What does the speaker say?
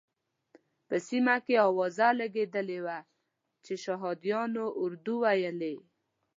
په سیمه کې اوازه لګېدلې وه چې شهادیانو اردو ویلې.